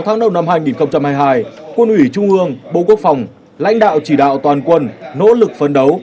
sáu tháng đầu năm hai nghìn hai mươi hai quân ủy trung ương bộ quốc phòng lãnh đạo chỉ đạo toàn quân nỗ lực phấn đấu